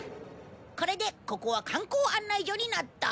これでここは観光案内所になった。